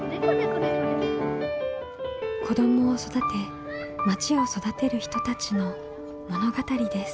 子どもを育てまちを育てる人たちの物語です。